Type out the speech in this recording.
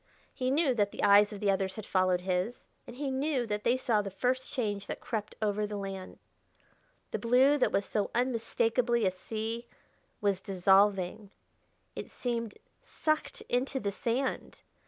He knew that the eyes of the others had followed his, and he knew that they saw the first change that crept over the land. The blue that was so unmistakably a sea was dissolving; it seemed sucked into the sand.